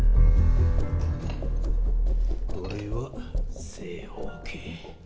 これは正方形。